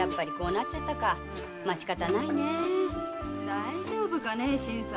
大丈夫かねぇ新さん。